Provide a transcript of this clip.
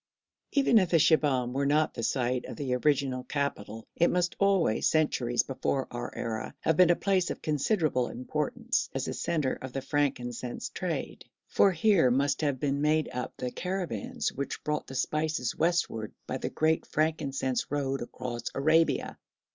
Even if Shibahm were not the site of the original capital it must always, centuries before our era, have been a place of considerable importance as the centre of the frankincense trade, for here must have been made up the caravans which brought the spices westward by the great frankincense road across Arabia.